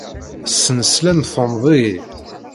S snesla-m tenneḍ-iyi.